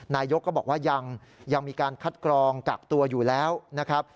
นายกก็บอกว่ายังมีการคัดกรองกักตัวอยู่แล้วนะครับ